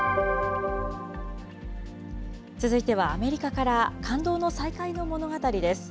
続いてはアメリカから、感動の再会の物語です。